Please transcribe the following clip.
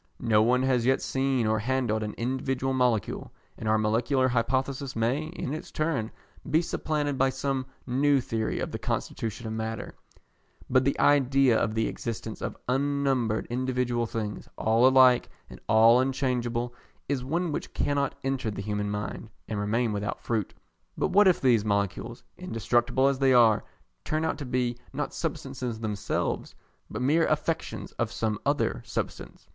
No one has as yet seen or handled an individual molecule, and our molecular hypothesis may, in its turn, be supplanted by some new theory of the constitution of matter; but the idea of the existence of unnumbered individual things, all alike and all unchangeable, is one which cannot enter the human mind and remain without fruit. But what if these molecules, indestructible as they are, turn out to be not substances themselves, but mere affections of some other substance?